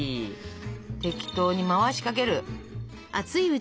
適当に回しかける。